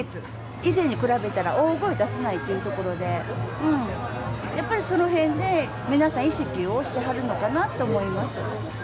以前に比べたら、大声出さないという点で、やっぱりそのへんね、皆さん、意識をしてはるのかなと思います。